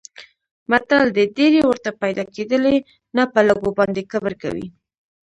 متل دی: ډېرې ورته پیدا کېدلې نه په لږو باندې کبر کوي.